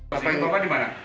bapak ibu di mana